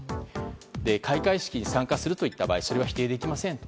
開会式に参加するといった場合それは否定できません。